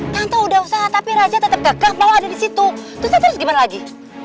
tante udah usaha tapi raja tetap gagal kalau ada di situ terus gimana lagi